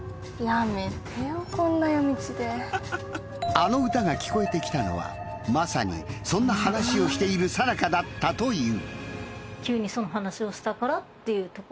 あの歌が聴こえてきたのはまさにそんな話をしているさなかだったという。